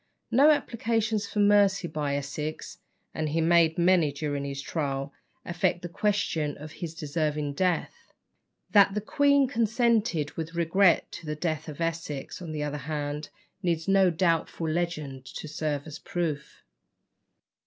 No applications for mercy by Essex (and he made many during his trial) affect the question of his deserving death. That the queen consented with regret to the death of Essex, on the other hand, needs no doubtful legend to serve as proof.